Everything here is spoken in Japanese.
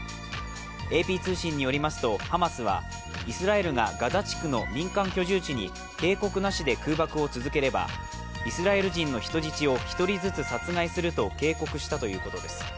ＡＰ通信によりますとハマスは、イスラエルがガザ地区の民間居住地に警告なしで空爆を続ければ、イスラエル人の人質を１人ずつ殺害すると警告したということです。